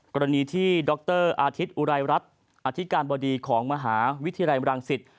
กรณีที่ดรอาทิตย์อุไรรัฐอธิการบดีของมหาวิทยาลัยมรังสิต